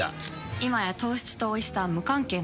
今や糖質とおいしさは無関係なんです。